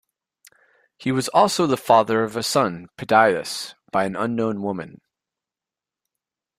He was also the father of a son, Pedaeus, by an unknown woman.